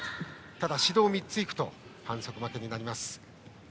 ただ指導３つ行くと反則負けになります。